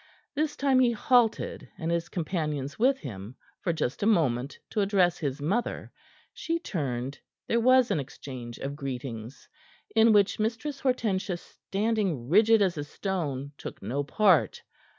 This time he halted, and his companions with him, for just a moment, to address his mother. She turned; there was an exchange of greetings, in which Mistress Hortensia standing rigid as stone took no part.